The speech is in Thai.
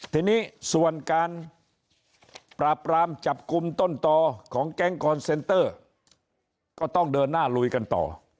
ทีนี้ส่วนการปราบปรามจับกลุ่มต้นต่อของแก๊งคอนเซนเตอร์ก็ต้องเดินหน้าลุยกันต่อ